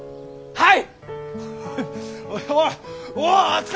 はい！